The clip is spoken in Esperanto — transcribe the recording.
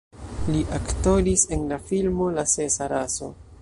Li aktoris en la filmo La sesa raso.